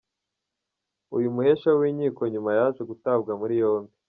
Uyu muhesha w’inkiko nyuma yaje gutabwa muri yombi